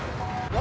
何？